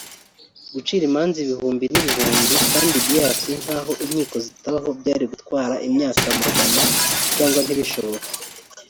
Gucira imanza ibihumbi n’ibihumbi kandi bias nkaho inkiko zitabaho byari gutwara imyaka amagana cyangwa ntibishoboke